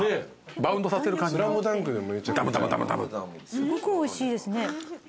すごくおいしいですね。